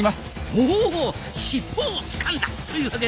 ほう尻尾をつかんだというわけですな。